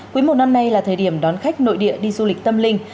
quý một năm nay là thời điểm đón khách nội địa đi du lịch tâm linh